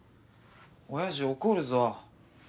おやじ怒るぞ